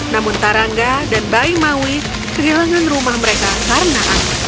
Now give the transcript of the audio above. namun tarangga dan bayi maui kehilangan rumah mereka karena